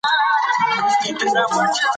انارګل د سړې هوا تریخوالی په نره تېراوه.